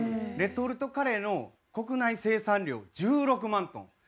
レトルトカレーの国内生産量１６万トン。